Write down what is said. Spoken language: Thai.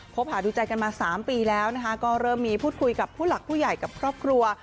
บหาดูใจกันมา๓ปีแล้วนะคะก็เริ่มมีพูดคุยกับผู้หลักผู้ใหญ่กับครอบครัว